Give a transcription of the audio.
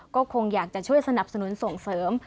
ก็คงอยากจะช่วยสนับสนุนส่งเสริม